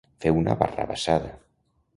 Fer una barrabassada.